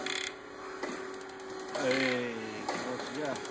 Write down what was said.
いい気持ちじゃ。